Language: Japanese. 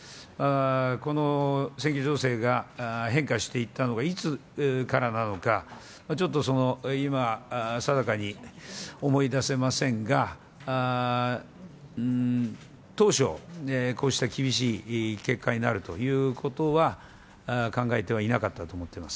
この選挙情勢が変化していったのがいつからなのか、ちょっと今、定かに思い出せませんが、当初、こうした厳しい結果になるということは、考えてはいなかったと思っています。